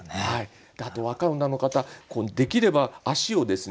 あと若い女の方できれば足をですね